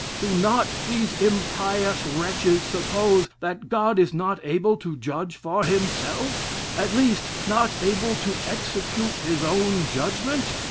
Do not these impious wretches suppose, that God is not able to judge for himself; at least, not able to execute his own judgment?